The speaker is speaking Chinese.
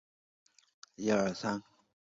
修私摩古印度摩揭陀国的王子。